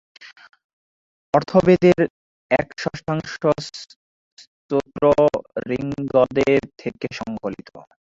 অথর্ববেদের এক-ষষ্ঠাংশ স্তোত্র ঋগ্বেদ থেকে সংকলিত।